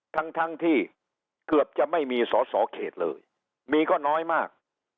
ทั้งทั้งที่เกือบจะไม่มีสอสอเขตเลยมีก็น้อยมาก